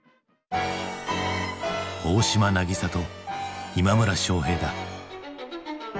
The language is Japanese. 大島渚と今村昌平だ。